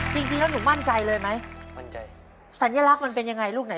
จริงแล้วหนูมั่นใจเลยไหมมั่นใจสัญลักษณ์มันเป็นยังไงลูกไหน